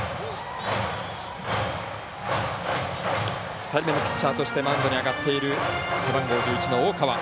２人目のピッチャーとしてマウンドに上がっている背番号１１の大川。